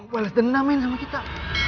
walaikan dendam main sama kita